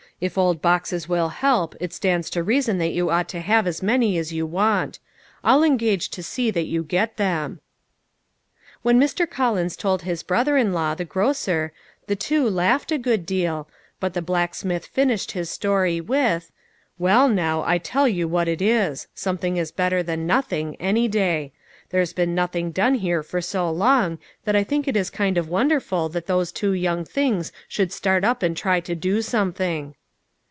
if old boxes will help, it stands to reason that you ought to have as many as you want. I'll engage to see that you get them." When Mr "Collins told his brother in law, the grocer, the two laughed a good deal, but the blacksmith finished his story with, " Well, now I tell you what it is something is better than nothing, any day; there's been nothing done here for so long that I think it is kind of wonder ful that those two young things should start up and try to do something."